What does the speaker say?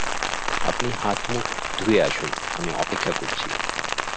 আপনি হাত-মুখ ধুয়ে আসুন, আমি অপেক্ষা করছি।